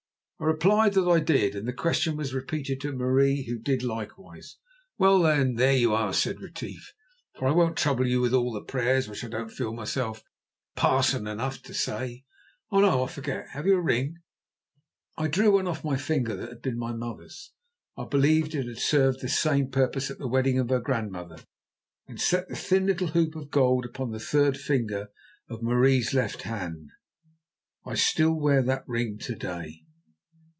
I replied that I did, and the question was repeated to Marie, who did likewise. "Well then, there you are," said Retief, "for I won't trouble you with all the prayers, which I don't feel myself parson enough to say. Oh! no, I forgot. Have you a ring?" I drew one off my finger that had been my mother's—I believe it had served this same purpose at the wedding of her grandmother—and set the thin little hoop of gold upon the third finger of Marie's left hand. I still wear that ring to day.